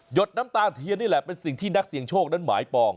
ดน้ำตาเทียนนี่แหละเป็นสิ่งที่นักเสี่ยงโชคนั้นหมายปอง